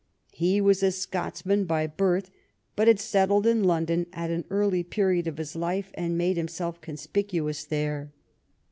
He was a Scotchman by birth, but had settled in Lon don at an early period of his life and made himself conspicuous there.